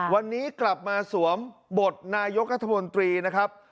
วันนี้กลับมาสวมบทนายกรัฐมนตรีนะครับ